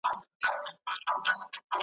ګورو به نصیب ته په توپان کي بېړۍ څه وايي .